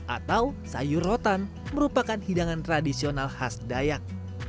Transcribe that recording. atau sayur rotan merupakan hidangan tradisional khas dayak